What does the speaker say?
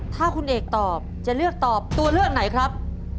ถ้าคุณเอกตอบจะเลือกตอบตัวเลือกไหนครับ